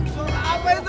suara apa itu